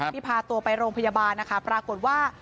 ที่พาตัวไปโรงพยาบาลนะคะปรากฏว่า